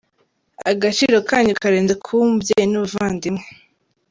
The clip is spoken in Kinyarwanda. Agaciro kanyu karenze kuba umubyeyi n’ubuvandimwe.